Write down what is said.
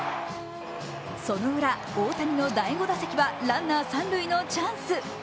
そのウラ、大谷の第５打席はランナー三塁のチャンス。